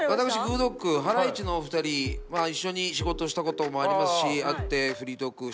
ドッグハライチのお二人は一緒に仕事したこともありますし会ってフリートークしました。